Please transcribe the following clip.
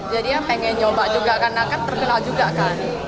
jadi ya pengen nyoba juga karena kan terkenal juga kan